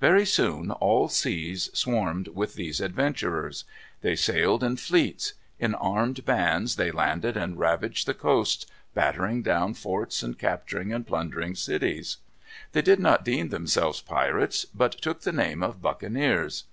Very soon all seas swarmed with these adventurers. They sailed in fleets. In armed bands they landed and ravaged the coasts, battering down forts and capturing and plundering cities. They did not deem themselves pirates, but took the name of buccaneers.